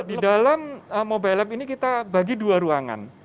di dalam mobile lab ini kita bagi dua ruangan